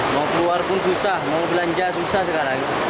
mau keluar pun susah mau belanja susah sekarang